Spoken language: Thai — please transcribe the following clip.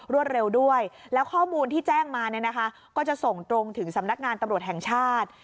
เร็วด้วยแล้วข้อมูลที่แจ้งมาเนี่ยนะคะก็จะส่งตรงถึงสำนักงานตำรวจแห่งชาติ